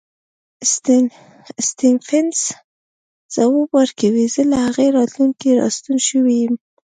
سټېفنس ځواب ورکوي زه له هغې راتلونکې راستون شوی یم.